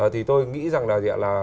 thì tôi nghĩ rằng là